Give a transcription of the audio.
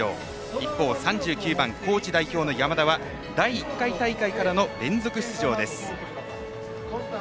一方３９番、高知代表の山田は第１回大会からの連続出場です。